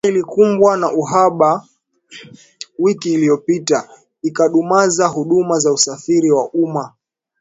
Kenya ilikumbwa na uhaba wiki iliyopita, ikidumaza huduma za usafiri wa umma